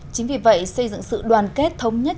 chính vì vậy xây dựng sự đoàn kết thống nhất